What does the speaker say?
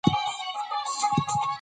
هغه خپلې اوژې پورته واچولې.